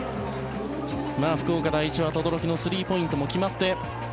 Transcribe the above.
福岡第一は轟のスリーポイントも決まって